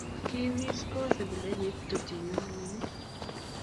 kiwis kowo sebulenit tupchenyu ne mining